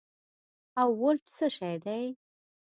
او ولټ څه شي دي